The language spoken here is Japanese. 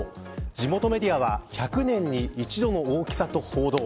地元メディアは１００年に一度の大きさと報道。